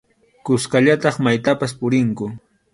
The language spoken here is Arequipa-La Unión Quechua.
Kuskallataq maytapas purinku.